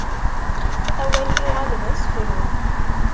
Awal yuɣal d asefru.